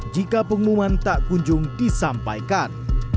jika pengumuman tak kunjung disampaikan